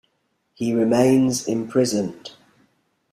He remains imprisoned.